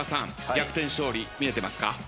逆転勝利見えてますか？